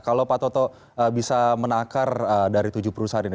kalau pak toto bisa menakar dari tujuh bumn